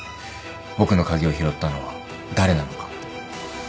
僕の鍵を拾ったのは誰なのか。